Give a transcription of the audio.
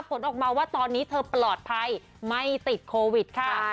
ผลออกมาว่าตอนนี้เธอปลอดภัยไม่ติดโควิดค่ะ